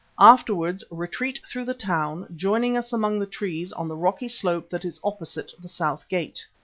Afterwards retreat through the town, joining us among the trees on the rocky slope that is opposite the south gate.